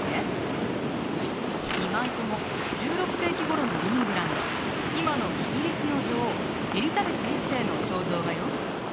２枚とも１６世紀ごろのイングランド今のイギリスの女王エリザベス１世の肖像画よ。